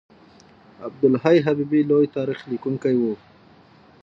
عبدالحی حبیبي لوی تاریخ لیکونکی و.